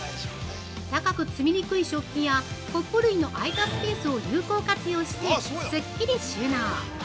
高く積みにくい食器やコップ類の空いたスペースを有効活用してスッキリ収納！